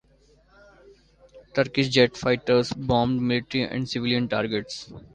Turkish jet fighters bombed military and civilian targets.